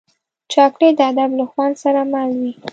چاکلېټ د ادب له خوند سره مل وي.